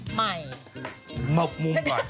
ใหม่